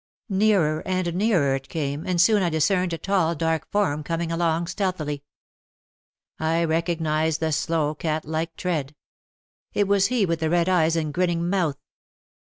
Nearer and nearer it came and soon I discerned a tall, dark form coming along stealthily. I recognised the slow cat like tread. It was he with the red eyes and grinning mouth.